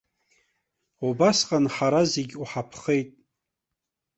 Убасҟан ҳара зегь уҳаԥхеит.